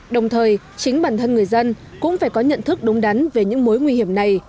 đồng thời chính bản thân người dân cũng phải có nhận thức đúng đắn về những mối nguy hiểm này